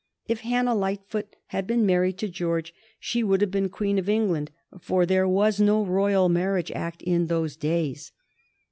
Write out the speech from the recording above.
If Hannah Lightfoot had been married to George she would have been Queen of England, for there was no Royal Marriage Act in those days.